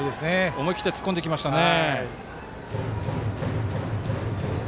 思い切って突っ込んできましたね。